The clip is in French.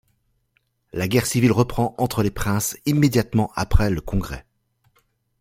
La guerre civile reprend entre les princes immédiatement après le congrès.